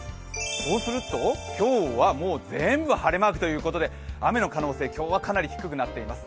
そうすると今日は全部晴れマークということで雨の可能性はゼロとなっています。